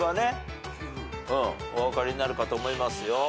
お分かりになるかと思いますよ。